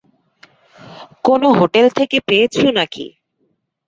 কোন হোটেল থেকে পেয়েছ নাকি?